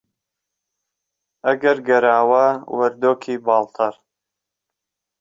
ئهگەر گەراوه وەردۆکی باڵتەڕ